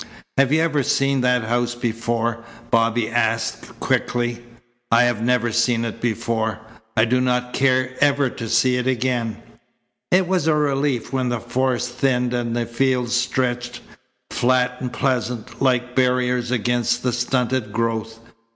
"Have you ever seen that house before?" Bobby asked quickly. "I have never seen it before. I do not care ever to see it again." It was a relief when the forest thinned and fields stretched, flat and pleasant, like barriers against the stunted growth.